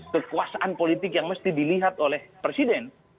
kekuasaan politik yang mesti dilihat oleh presiden